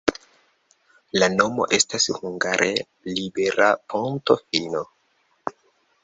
La nomo estas hungare libera-ponto-fino.